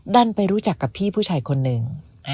ดันไปรู้จักกับพี่ผู้ชายคนหนึ่ง